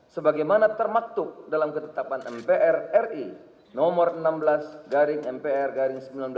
sebagai mana termaktub dalam ketetapan mpr ri nomor enam belas mpr seribu sembilan ratus sembilan puluh delapan